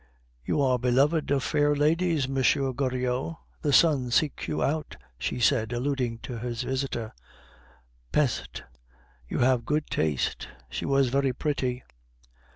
"You are beloved of fair ladies, M. Goriot the sun seeks you out," she said, alluding to his visitor. "Peste! you have good taste; she was very pretty."